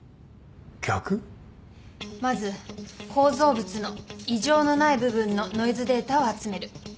まず構造物の異常のない部分のノイズデータを集める。